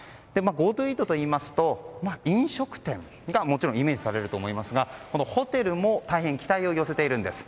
ＧｏＴｏイートといいますと飲食店がもちろんイメージされると思いますがホテルも大変期待を寄せているんです。